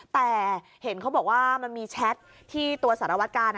แต่เห็นเขาบอกว่ามันมีแชทที่ตัวสารวัตกาล